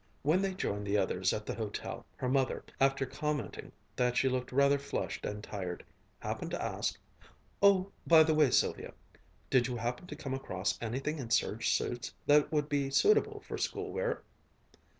When they joined the others at the hotel her mother, after commenting that she looked rather flushed and tired, happened to ask, "Oh, by the way, Sylvia, did you happen to come across anything in serge suits that would be suitable for school wear?"